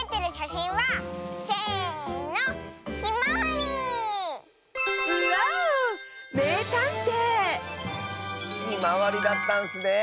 ひまわりだったんスねえ。